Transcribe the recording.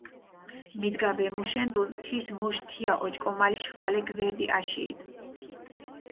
მიდგა ვემუშენდუნ, თის მუშ თია ოჭკომალიშ ხვალე გვერდი აშიიდჷ.